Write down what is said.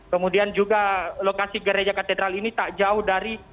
kemudian juga lokasi gereja katedral ini tak jauh dari